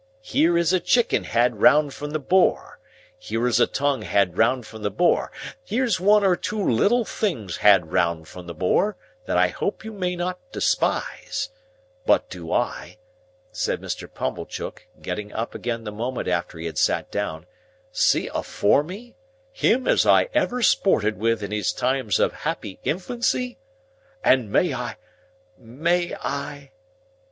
Here is a chicken had round from the Boar, here is a tongue had round from the Boar, here's one or two little things had round from the Boar, that I hope you may not despise. But do I," said Mr. Pumblechook, getting up again the moment after he had sat down, "see afore me, him as I ever sported with in his times of happy infancy? And may I—may I—?"